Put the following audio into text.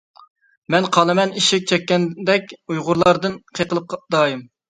مەن قالىمەن ئىشىك چەككەندەك، تۇيغۇلاردىن قېقىلىپ دائىم.